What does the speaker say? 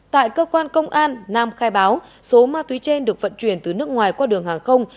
tại cơ quan công an nam khai báo số ma túy trên được vận chuyển từ nước ngoài qua đường hàng không